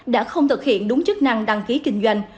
đã không thực hiện đúng chức năng đăng ký kinh doanh